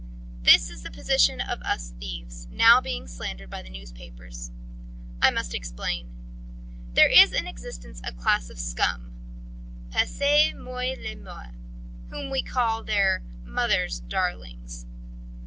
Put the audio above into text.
"This is the position of us thieves, now being slandered by the newspapers. I must explain. There is in existence a class of scum passez moi le mot whom we call their 'Mothers' Darlings.'